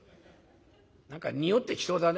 何か臭ってきそうだね。